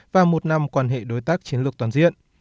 và một năm quan hệ đối tác chiến lược toàn diện